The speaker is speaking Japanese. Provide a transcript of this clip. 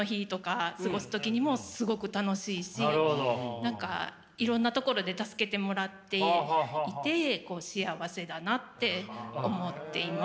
何かいろんなところで助けてもらっていて幸せだなって思っています。